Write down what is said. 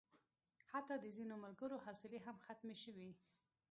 حتی د ځینو ملګرو حوصلې هم ختمې شوې.